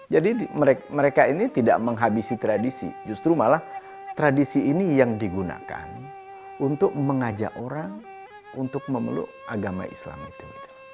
jadi mereka ini tidak menghabisi tradisi justru malah tradisi ini yang digunakan untuk mengajak orang untuk memeluk agama islam itu